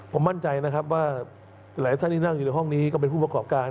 ผมมั่นใจนะครับว่าหลายท่านที่นั่งอยู่ในห้องนี้ก็เป็นผู้ประกอบการ